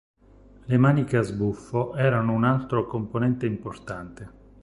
Le maniche a sbuffo erano un altro componente importante.